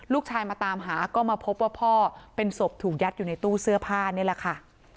ลูกชายมาตามหาก็มาพบว่าพ่อเป็นศพถูกยัดอยู่ในตู้เสื้อผ้านี่แหละค่ะ